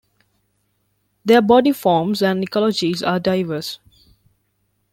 Their body forms and ecologies are diverse.